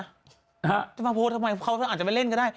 จะมาโพสต์ทำไมเขาอาจจะไม่เล่นก็ได้